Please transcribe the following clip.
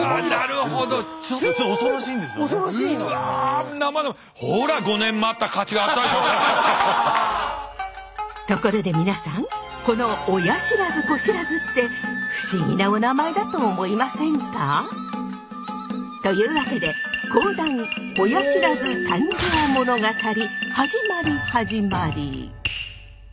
ほらところで皆さんこの親不知・子不知って不思議なおなまえだと思いませんか？というわけで講談「親不知誕生ものがたり」始まり始まり！